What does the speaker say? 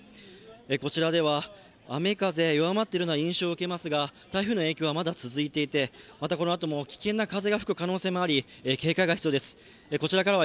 こちらでは、雨風弱まってる印象を受けますが台風の影響がまだ続いていて、またこのあとも危険な風が吹く可能性もあり警戒が必要です。